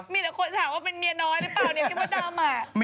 มีแต่คนถามว่าเป็นเมียน้อยหรือเปล่าเนี่ยพี่มดดำ